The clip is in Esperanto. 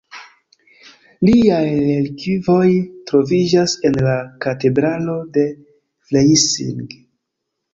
Liaj relikvoj troviĝas en la katedralo de Freising.